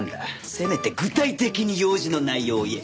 せめて具体的に用事の内容を言え。